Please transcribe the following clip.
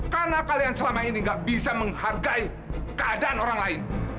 karena kalian selama ini gak bisa menghargai keadaan orang lain